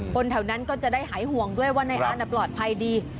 คนแถวนั้นก็จะได้หายห่วงด้วยว่านายอาร์ตปลอดภัยดี